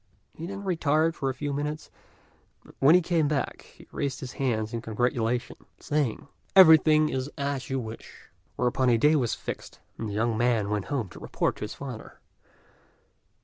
He then retired for a few minutes, and when he came back he raised his hands in congratulation, saying, "Everything is as you wish;" whereupon a day was fixed, and the young man went home to report to his father.